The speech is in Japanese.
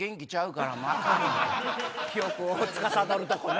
記憶をつかさどるとこね。